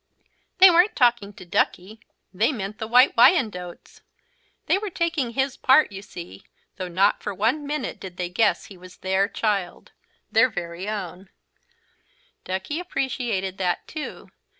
They weren't talking to Duckie. They meant the White Wyandottes. They were taking his part, you see, though not for one minute did they guess he was their child, their very own. Duckie appreciated that too.